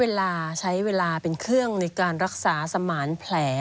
เวลาใช้เวลาเป็นเครื่องในการรักษาสมานแผล